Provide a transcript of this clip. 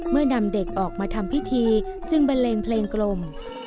นำเด็กออกมาทำพิธีจึงบันเลงเพลงกลม